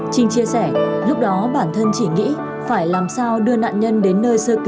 trinh chia sẻ lúc đó bản thân chỉ nghĩ phải làm sao đưa nạn nhân đến nơi sơ cứu